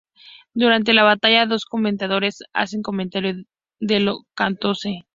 Durante la batalla, dos "comentadores" hacen comentario de lo acontece.